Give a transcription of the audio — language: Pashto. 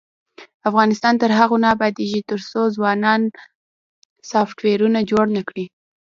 افغانستان تر هغو نه ابادیږي، ترڅو ځوانان سافټویرونه جوړ نکړي.